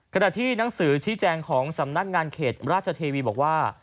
ขณะที่หนังสือชี้แจงของสำนักงานเขตราชเทวีบอกว่า